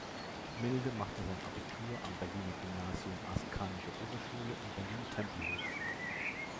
Milde machte sein Abitur am Berliner Gymnasium Askanische Oberschule in Berlin-Tempelhof.